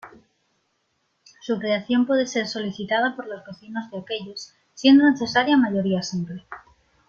Su creación puede ser solicitada por los vecinos de aquellos, siendo necesaria mayoría simple.